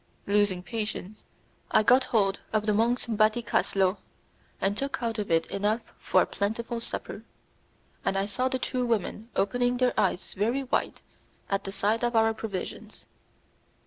Losing patience, I got hold of the monk's batticaslo, and took out of it enough for a plentiful supper, and I saw the two women opening their eyes very wide at the sight of our provisions.